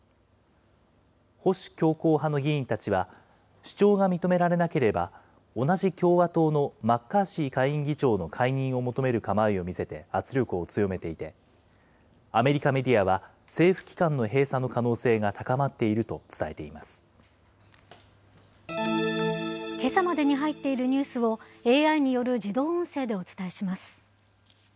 保守強硬派の議員たちは、主張が認められなければ、同じ共和党のマッカーシー下院議長の介入を求める構えを見せて圧力を強めていて、アメリカメディアは政府機関の閉鎖の可能性が高まっていると伝えけさまでに入っているニュースをＡＩによる自動音声でお伝えします。